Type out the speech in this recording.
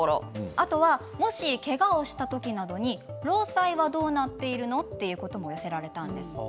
あとは、もしけがをした時などに労災はどうなっているの？ということも寄せられたんです。